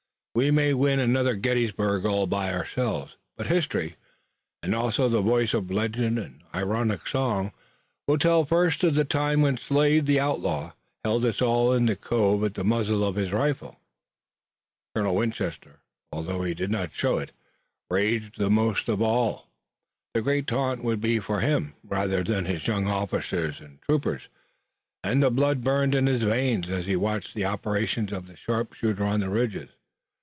We may win another Gettysburg all by ourselves, but history and also the voice of legend and ironic song will tell first of the time when Slade, the outlaw, held us all in the cove at the muzzle of his rifle." Colonel Winchester, although he did not show it, raged the most of them all. The great taunt would be for him rather than his young officers and troopers, and the blood burned in his veins as he watched the operations of the sharpshooter on the ridges.